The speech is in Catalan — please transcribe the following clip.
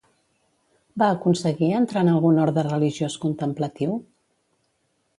Va aconseguir entrar en algun orde religiós contemplatiu?